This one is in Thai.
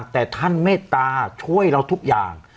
แต่ท่านเมตตาช่วยเราทุกอย่าง